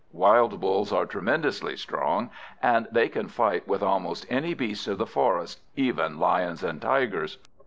Wild Bulls are tremendously strong, and they can fight with almost any beast of the forest, even Lions and Tigers.